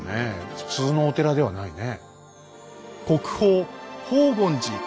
普通のお寺ではないね。